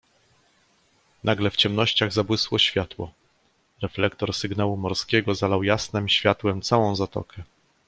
"Nagle w ciemnościach zabłysło światło; reflektor sygnału morskiego zalał jasnem światłem całą zatokę."